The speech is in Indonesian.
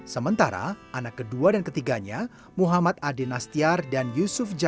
sementara anak kedua dan ketiganya muhammad adin astiar dan yusuf jalil